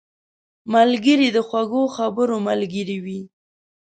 ملګری د خوږو خبرو ملګری وي